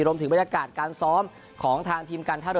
รวมถึงบรรยากาศการสอบของทางทีมกันข้าวล่อ